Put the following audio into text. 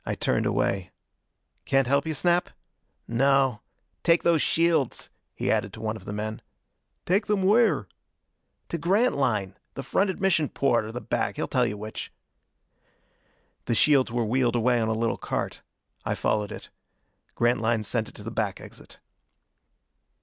I turned away. "Can't help you, Snap?" "No. Take those shields," he added to one of the men. "Take them where?" "To Grantline. The front admission porte, or the back. He'll tell you which." The shields were wheeled away on a little cart. I followed it. Grantline sent it to the back exit.